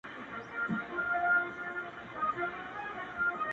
• خلګ راغله و قاضي ته په فریاد سوه,